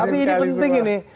tapi ini penting ini